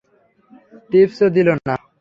টিপসও দিলো না।